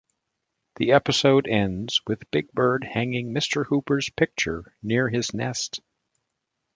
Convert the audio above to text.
The episode ends with Big Bird hanging Mr. Hooper's picture near his nest.